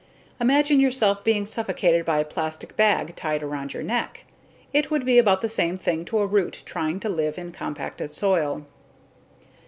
Imagine yourself being suffocated by a plastic bag tied around your neck. It would be about the same thing to a root trying to live in compacted soil.